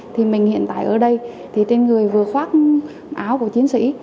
thì mình hiện tại ở đây thì trên người vừa khoác áo của chiến sĩ